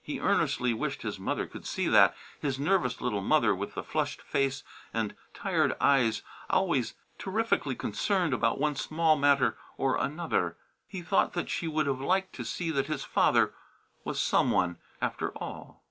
He earnestly wished his mother could see that; his nervous little mother with the flushed face and tired eyes, always terrifically concerned about one small matter or another. He thought she would have liked to see that his father was some one, after all.